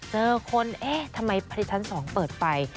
เจอคนเอ๊ะทำไมพฤษฐาน๒เปิดไป